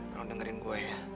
kamu dengerin gue ya